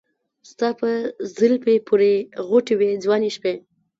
ستا په زلفې پورې غوټه وې ځواني شپې